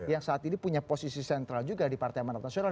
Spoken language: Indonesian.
yang saat ini punya posisi sentral juga di partai amanat nasional